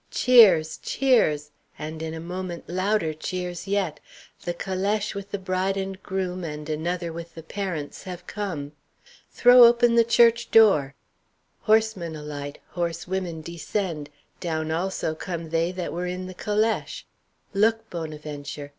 Cheers! cheers! and in a moment louder cheers yet the calèche with the bride and groom and another with the parents have come. Throw open the church door! Horsemen alight, horsewomen descend; down, also, come they that were in the calèche. Look, Bonaventure!